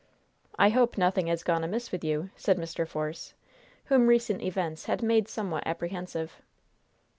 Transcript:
"I hope nothing has gone amiss with you," said Mr. Force, whom recent events had made somewhat apprehensive.